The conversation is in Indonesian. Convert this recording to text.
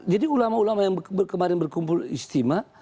jadi ulama ulama yang kemarin berkumpul istimah